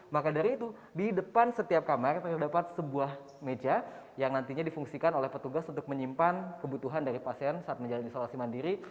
maka dari itu di depan setiap kamar terdapat sebuah meja yang nantinya difungsikan oleh petugas untuk menyimpan kebutuhan dari pasien saat menjalani isolasi mandiri